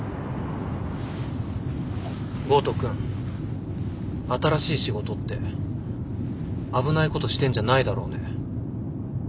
豪徳君新しい仕事って危ないことしてんじゃないだろうね？